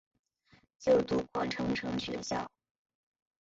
就读过成城学校。